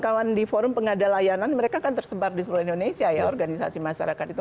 kawan di forum pengada layanan mereka kan tersebar di seluruh indonesia ya organisasi masyarakat itu